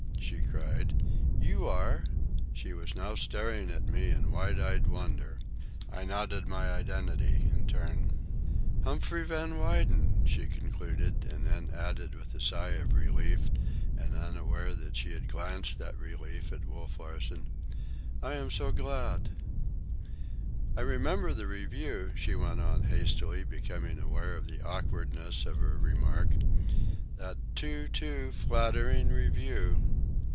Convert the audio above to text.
she cried. "You are—" She was now staring at me in wide eyed wonder. I nodded my identity, in turn. "Humphrey Van Weyden," she concluded; then added with a sigh of relief, and unaware that she had glanced that relief at Wolf Larsen, "I am so glad." "I remember the review," she went on hastily, becoming aware of the awkwardness of her remark; "that too, too flattering review."